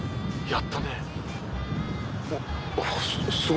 やったね！